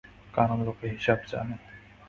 কারণ লোকে হিসেব জানে।